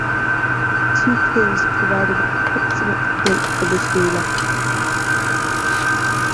Two clues provide an approximate date for this ruler.